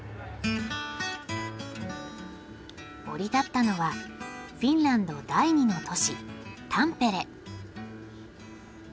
降り立ったのはフィンランド第二の都市タンペレ。